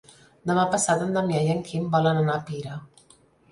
Demà passat en Damià i en Quim volen anar a Pira.